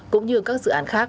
cũng như các dự án khác